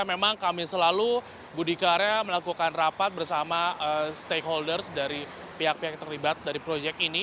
memang kami selalu budi karya melakukan rapat bersama stakeholders dari pihak pihak yang terlibat dari proyek ini